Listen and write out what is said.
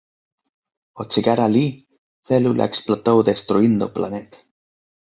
Ó chegar alí Célula explotou destruíndo o planeta.